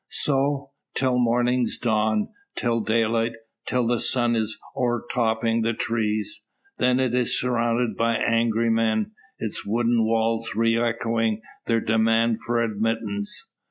So, till morning's dawn; till daylight; till the sun is o'ertopping the trees. Then is it surrounded by angry men; its wooden walls re echoing their demand for admittance.